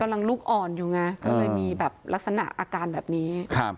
กำลังลูกอ่อนอยู่ก็เลยมีลักษณะอาการแบบนี้